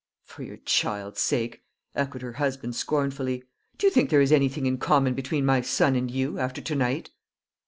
"For your child's sake!" echoed her husband scornfully. "Do you think there is anything in common between my son and you, after to night?"